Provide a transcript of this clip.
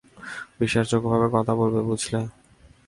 বিশ্বাসযোগ্য ভাবে কথা বলবে, বুঝলে।